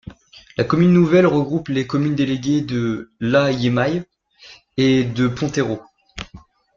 La commune nouvelle regroupe les communes déléguées de La Jemaye et de Ponteyraud.